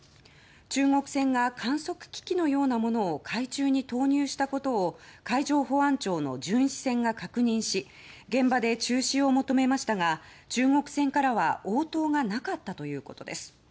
中国船が観測機器のようなものを海中に投入したことを海上保安庁の巡視船が確認し現場で中止を求めましたが中国船からは応答がなかったということです。